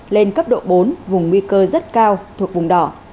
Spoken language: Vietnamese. lên cấp độ bốn vùng nguy cơ rất cao thuộc vùng đỏ